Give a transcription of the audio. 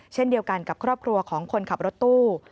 เช่นเดียวกันกับครอบครัวของคนขับรถตู้